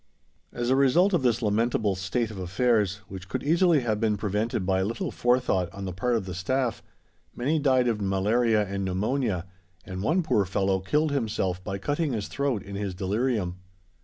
As a result of this lamentable state of affairs, which could easily have been prevented by a little forethought on the part of the Staff, many died of malaria and pneumonia, and one poor fellow killed himself by cutting his throat in his delirium.